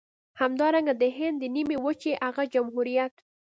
همدارنګه د هند د نيمې وچې هغه جمهوريت.